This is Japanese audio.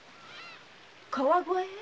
川越へ？